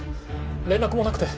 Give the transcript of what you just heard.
連絡もなくて。